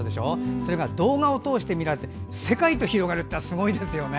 それが動画を通して見られて世界に広がるというのはすごいですよね。